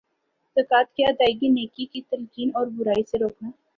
زکوۃ کی ادئیگی نیکی کی تلقین اور برائی سے روکنا